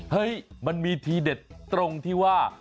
มันมีทีเด็ดตรงที่ว่า